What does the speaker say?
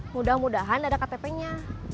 mudah mudahan ada ktp nya